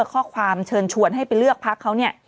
ข้อความเชิญชวนให้ไปเลือกพักเขาเนี่ย